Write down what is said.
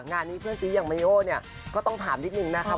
งานนี้เพื่อนซีอย่างมายโอเนี่ยก็ต้องถามนิดนึงนะคะ